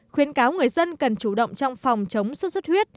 khuyến cáo người dân cần chủ động trong phòng chống xuất xuất huyết